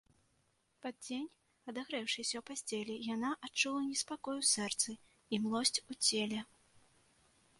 Пад дзень, адагрэўшыся ў пасцелі, яна адчула неспакой у сэрцы і млосць у целе.